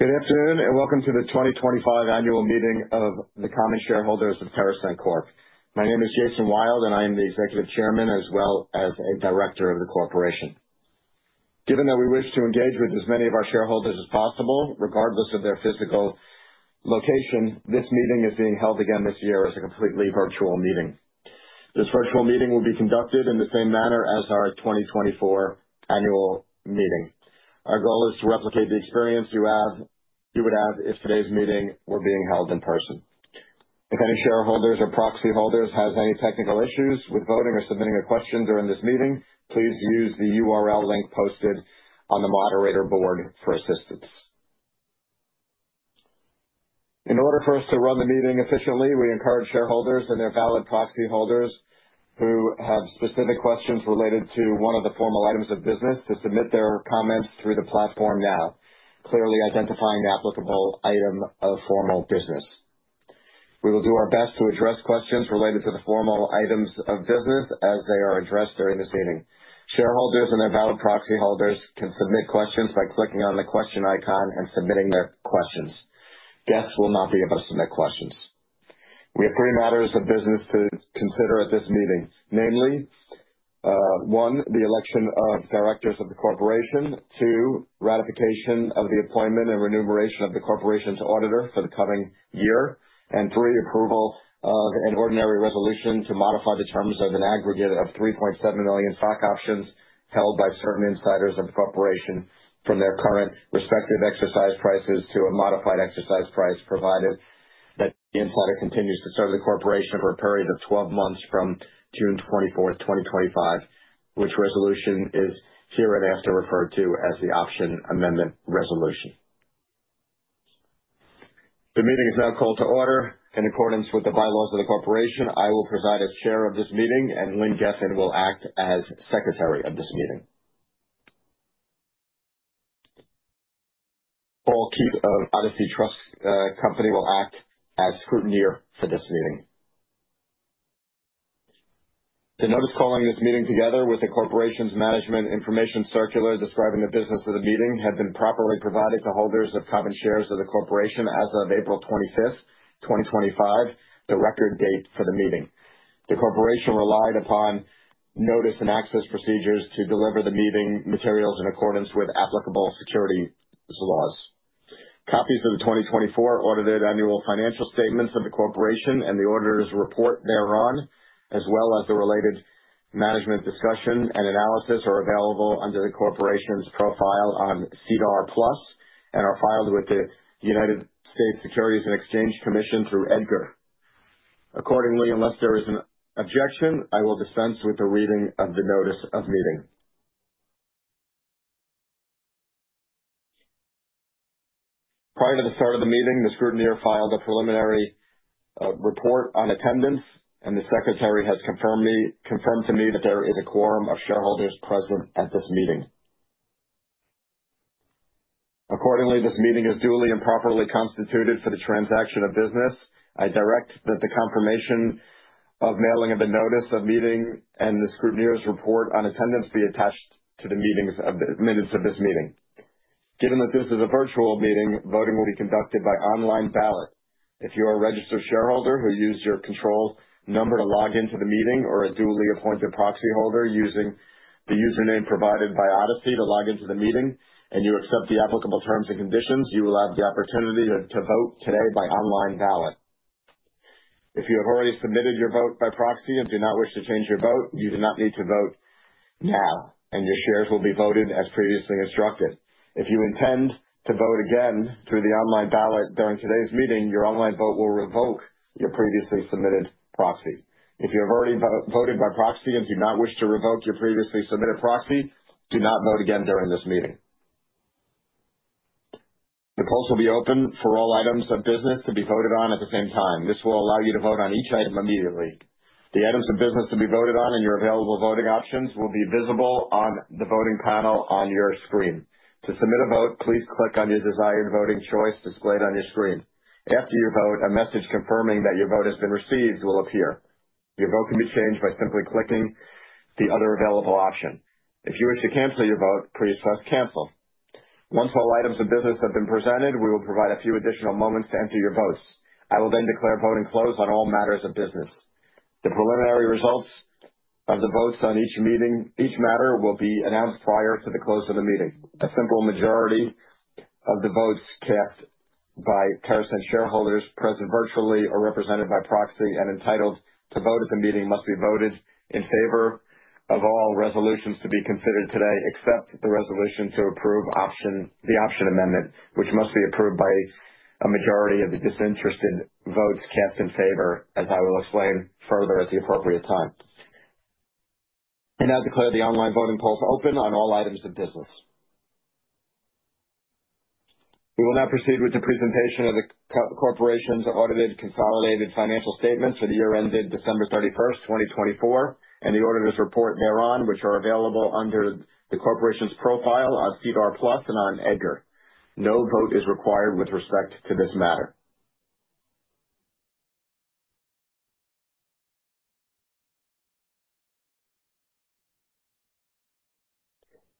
Good afternoon, and welcome to the 2025 Annual Meeting of the Common Shareholders of TerrAscend Corp. My name is Jason Wild, and I am the Executive Chairman as well as a director of the corporation. Given that we wish to engage with as many of our shareholders as possible, regardless of their physical location, this meeting is being held again this year as a completely virtual meeting. This virtual meeting will be conducted in the same manner as our 2024 annual meeting. Our goal is to replicate the experience you would have if today's meeting were being held in person. If any shareholders or proxy holders have any technical issues with voting or submitting a question during this meeting, please use the URL link posted on the moderator board for assistance. In order for us to run the meeting efficiently, we encourage shareholders and their valid proxy holders who have specific questions related to one of the formal items of business to submit their comments through the platform now, clearly identifying the applicable item of formal business. We will do our best to address questions related to the formal items of business as they are addressed during this meeting. Shareholders and their valid proxy holders can submit questions by clicking on the question icon and submitting their questions. Guests will not be able to submit questions. We have three matters of business to consider at this meeting, namely: one, the election of directors of the corporation; two, ratification of the appointment and remuneration of the corporation's auditor for the coming year; and three, approval of an ordinary resolution to modify the terms of an aggregate of 3.7 million stock options held by certain insiders of the corporation from their current respective exercise prices to a modified exercise price provided that the insider continues to serve the corporation for a period of 12 months from June 24th, 2025, which resolution is hereinafter referred to as the Option Amendment Resolution. The meeting is now called to order. In accordance with the bylaws of the corporation, I will preside as chair of this meeting, and Lynn Gefen will act as secretary of this meeting. Paul Keyes of Odyssey Trust Company will act as scrutineer for this meeting. The notice calling this meeting together with the corporation's Management Information Circular describing the business of the meeting had been properly provided to holders of common shares of the corporation as of April 25th, 2025, the record date for the meeting. The corporation relied upon notice and access procedures to deliver the meeting materials in accordance with applicable securities laws. Copies of the 2024 audited annual financial statements of the corporation and the auditor's report thereon, as well as the related management discussion and analysis, are available under the corporation's profile on SEDAR+ and are filed with the United States Securities and Exchange Commission through EDGAR. Accordingly, unless there is an objection, I will dispense with the reading of the notice of meeting. Prior to the start of the meeting, the scrutineer filed a preliminary report on attendance, and the secretary has confirmed to me that there is a quorum of shareholders present at this meeting. Accordingly, this meeting is duly and properly constituted for the transaction of business. I direct that the confirmation of mailing of the notice of meeting and the scrutineer's report on attendance be attached to the minutes of this meeting. Given that this is a virtual meeting, voting will be conducted by online ballot. If you are a registered shareholder who used your control number to log into the meeting or a duly appointed proxy holder using the username provided by Odyssey to log into the meeting and you accept the applicable terms and conditions, you will have the opportunity to vote today by online ballot. If you have already submitted your vote by proxy and do not wish to change your vote, you do not need to vote now, and your shares will be voted as previously instructed. If you intend to vote again through the online ballot during today's meeting, your online vote will revoke your previously submitted proxy. If you have already voted by proxy and do not wish to revoke your previously submitted proxy, do not vote again during this meeting. The polls will be open for all items of business to be voted on at the same time. This will allow you to vote on each item immediately. The items of business to be voted on and your available voting options will be visible on the voting panel on your screen. To submit a vote, please click on your desired voting choice displayed on your screen. After your vote, a message confirming that your vote has been received will appear. Your vote can be changed by simply clicking the other available option. If you wish to cancel your vote, please press cancel. Once all items of business have been presented, we will provide a few additional moments to enter your votes. I will then declare voting closed on all matters of business. The preliminary results of the votes on each matter will be announced prior to the close of the meeting. A simple majority of the votes cast by TerrAscend shareholders present virtually or represented by proxy and entitled to vote at the meeting must be voted in favor of all resolutions to be considered today, except the resolution to approve the Option Amendment, which must be approved by a majority of the disinterested votes cast in favor, as I will explain further at the appropriate time. I now declare the online voting polls open on all items of business. We will now proceed with the presentation of the corporation's audited consolidated financial statements for the year ended December 31st, 2024, and the auditor's report thereon, which are available under the corporation's profile on SEDAR+ and on EDGAR. No vote is required with respect to this matter.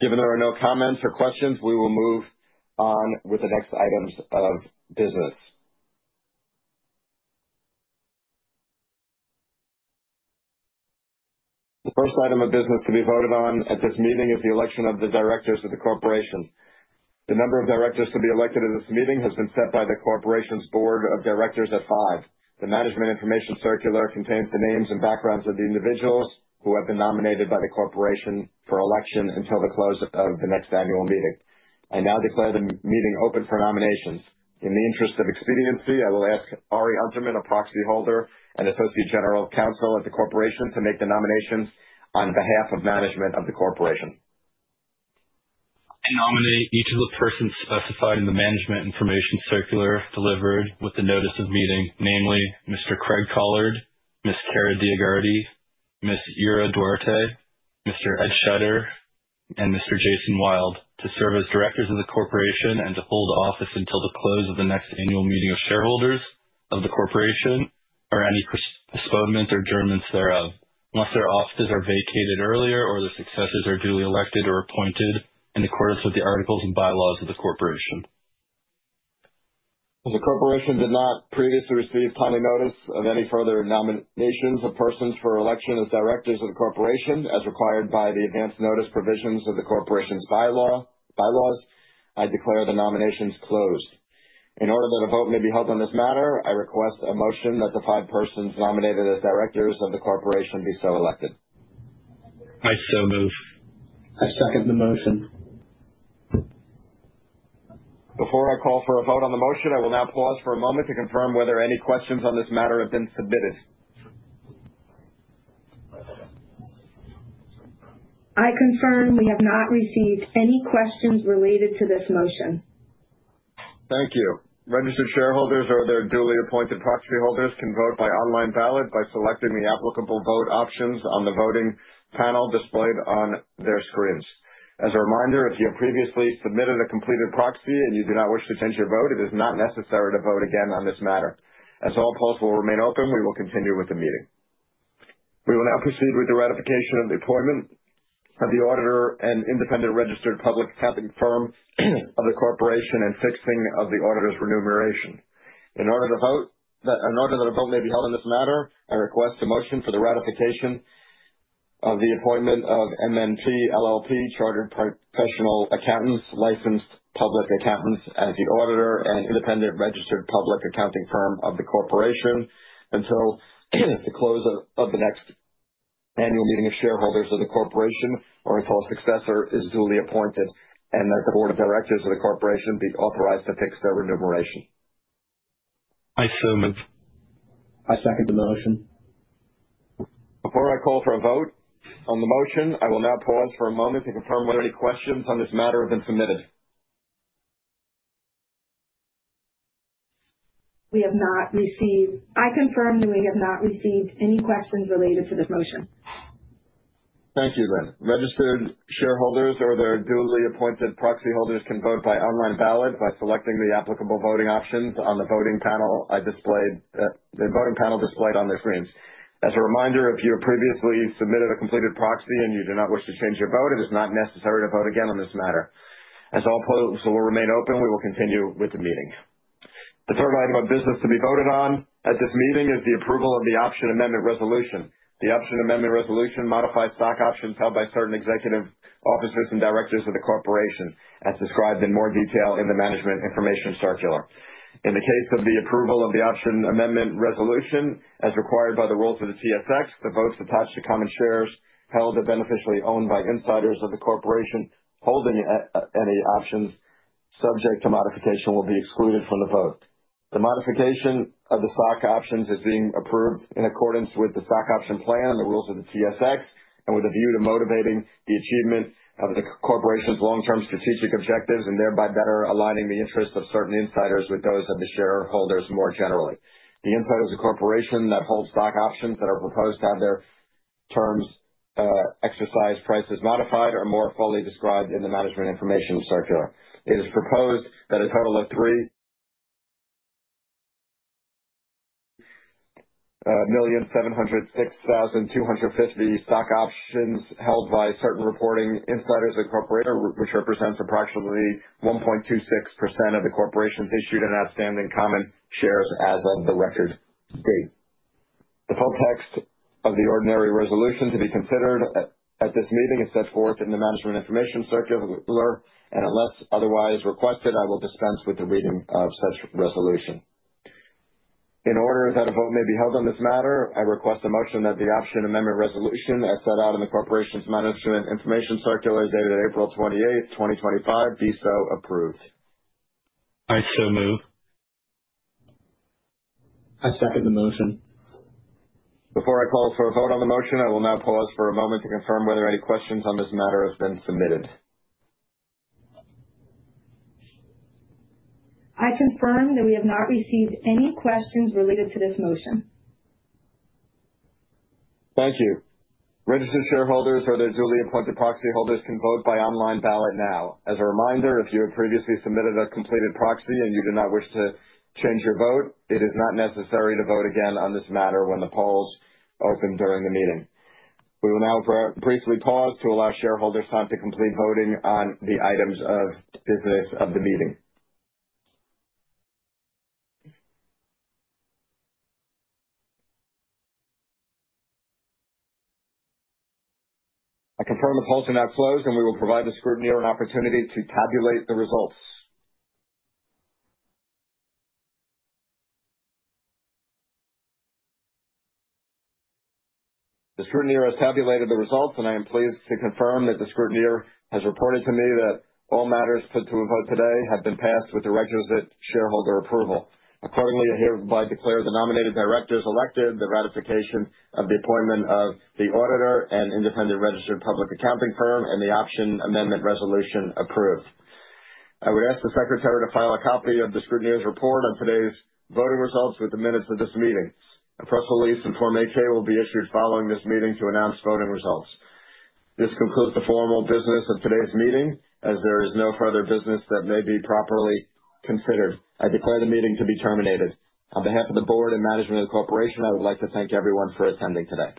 Given there are no comments or questions, we will move on with the next items of business. The first item of business to be voted on at this meeting is the election of the directors of the corporation. The number of directors to be elected at this meeting has been set by the corporation's board of directors at five. The Management Information Circular contains the names and backgrounds of the individuals who have been nominated by the corporation for election until the close of the next annual meeting. I now declare the meeting open for nominations. In the interest of expediency, I will ask Ari Unterman, a proxy holder and associate general counsel at the corporation, to make the nominations on behalf of management of the corporation. I nominate each of the persons specified in the Management Information Circular delivered with the notice of meeting, namely Mr. Craig Collard, Ms. Kara DioGuardi, Ms. Ira Duarte, Mr. Ed Schutter, and Mr. Jason Wild, to serve as directors of the corporation and to hold office until the close of the next annual meeting of shareholders of the corporation or any postponements or adjournments thereof, unless their offices are vacated earlier or their successors are duly elected or appointed in accordance with the articles and bylaws of the corporation. As the corporation did not previously receive timely notice of any further nominations of persons for election as directors of the corporation, as required by the advance notice provisions of the corporation's bylaws, I declare the nominations closed. In order that a vote may be held on this matter, I request a motion that the five persons nominated as directors of the corporation be so elected. I so move. I second the motion. Before I call for a vote on the motion, I will now pause for a moment to confirm whether any questions on this matter have been submitted. I confirm we have not received any questions related to this motion. Thank you. Registered shareholders or their duly appointed proxy holders can vote by online ballot by selecting the applicable vote options on the voting panel displayed on their screens. As a reminder, if you have previously submitted a completed proxy and you do not wish to change your vote, it is not necessary to vote again on this matter. As all polls will remain open, we will continue with the meeting. We will now proceed with the ratification of the appointment of the auditor and independent registered public accounting firm of the corporation and fixing of the auditor's remuneration. In order that a vote may be held on this matter, I request a motion for the ratification of the appointment of MNP LLP Chartered Professional Accountants, licensed public accountants as the auditor and independent registered public accounting firm of the corporation until the close of the next annual meeting of shareholders of the corporation or until a successor is duly appointed and that the board of directors of the corporation be authorized to fix their remuneration. I so move. I second the motion. Before I call for a vote on the motion, I will now pause for a moment to confirm whether any questions on this matter have been submitted. We have not received. I confirm that we have not received any questions related to this motion. Thank you, Lynn. Registered shareholders or their duly appointed proxy holders can vote by online ballot by selecting the applicable voting options on the voting panel displayed on their screens. As a reminder, if you have previously submitted a completed proxy and you do not wish to change your vote, it is not necessary to vote again on this matter. As all polls will remain open, we will continue with the meeting. The third item of business to be voted on at this meeting is the approval of the Option Amendment Resolution. The Option Amendment Resolution modifies stock options held by certain executive officers and directors of the corporation, as described in more detail in the Management Information Circular. In the case of the approval of the Option Amendment Resolution, as required by the rules of the TSX, the votes attached to common shares held and beneficially owned by insiders of the corporation holding any options subject to modification will be excluded from the vote. The modification of the stock options is being approved in accordance with the stock option plan and the rules of the TSX, and with a view to motivating the achievement of the corporation's long-term strategic objectives and thereby better aligning the interests of certain insiders with those of the shareholders more generally. The insiders of the corporation that hold stock options that are proposed to have their terms exercise prices modified are more fully described in the Management Information Circular. It is proposed that a total of 3,706,250 stock options held by certain reporting insiders of the corporation, which represents approximately 1.26% of the corporation's issued and outstanding common shares as of the record date. The full text of the ordinary resolution to be considered at this meeting is set forth in the Management Information Circular, and unless otherwise requested, I will dispense with the reading of such resolution. In order that a vote may be held on this matter, I request a motion that the Option Amendment Resolution as set out in the corporation's Management Information Circular dated April 28, 2025, be so approved. I so move. I second the motion. Before I call for a vote on the motion, I will now pause for a moment to confirm whether any questions on this matter have been submitted. I confirm that we have not received any questions related to this motion. Thank you. Registered shareholders or their duly appointed proxy holders can vote by online ballot now. As a reminder, if you have previously submitted a completed proxy and you do not wish to change your vote, it is not necessary to vote again on this matter when the polls open during the meeting. We will now briefly pause to allow shareholders time to complete voting on the items of business of the meeting. I confirm the polls are now closed, and we will provide the scrutineer an opportunity to tabulate the results. The scrutineer has tabulated the results, and I am pleased to confirm that the scrutineer has reported to me that all matters put to a vote today have been passed with the requisite shareholder approval. Accordingly, I hereby declare the nominated directors elected, the ratification of the appointment of the auditor and independent registered public accounting firm, and the Option Amendment Resolution approved. I would ask the secretary to file a copy of the scrutineer's report on today's voting results with the minutes of this meeting. A press release in form 8-K will be issued following this meeting to announce voting results. This concludes the formal business of today's meeting, as there is no further business that may be properly considered. I declare the meeting to be terminated. On behalf of the board and management of the corporation, I would like to thank everyone for attending today.